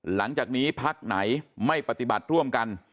หลังจากนี้พักไหนไม่ปฏิบัติร่วมกัน